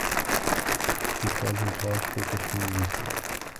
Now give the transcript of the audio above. This was his last professional engagement.